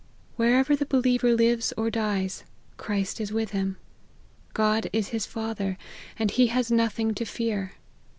Wherever the believer lives or dies, Christ is with him. God is his Father, and he has nothing to fear.